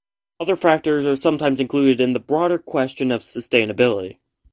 Other factors are sometimes included in the broader question of sustainability.